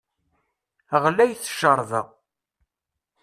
Ɣlayet ccerba!